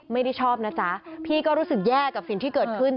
ไม่ได้ชอบนะจ๊ะพี่ก็รู้สึกแย่กับสิ่งที่เกิดขึ้น